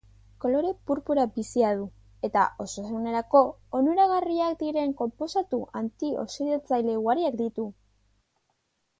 Kolore purpura bizia du, eta osasunerako onuragarriak diren konposatu antioxidatzaile ugariak ditu.